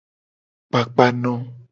Kpakpano.